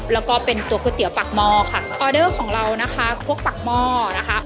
แล้วก็เป็นตัวก๋วยเตี๋ยวปากหม้อค่ะออเดอร์ของเรานะคะพวกปากหม้อนะคะ